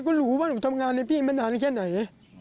ก็รู้ว่าหนูทำงานให้พี่มานานแค่ไหน